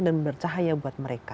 dan bercahaya buat mereka